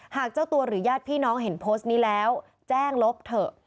เจ้าตัวหรือญาติพี่น้องเห็นโพสต์นี้แล้วแจ้งลบเถอะ